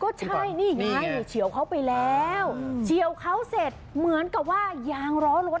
ก็ใช่นี่ไงเฉียวเขาไปแล้วเฉียวเขาเสร็จเหมือนกับว่ายางล้อรถ